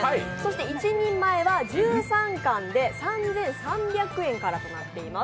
１人前は１３貫で３３００円からとなっております。